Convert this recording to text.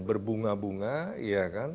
berbunga bunga ya kan